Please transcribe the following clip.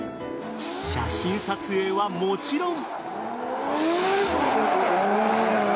写真撮影はもちろん。